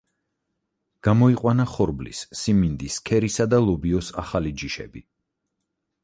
გამოიყვანა ხორბლის, სიმინდის, ქერისა და ლობიოს ახალი ჯიშები.